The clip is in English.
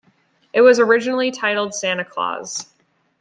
It was originally titled "Santa Claus".